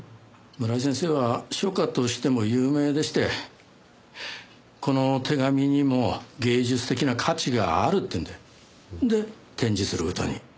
村井先生は書家としても有名でしてこの手紙にも芸術的な価値があるっていうんで展示する事に。